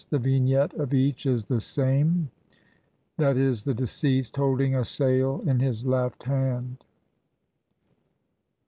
23) the vignette of each is the same, i. e., the deceased holding a sail in his left hand.